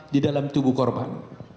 di dalam tubuh korban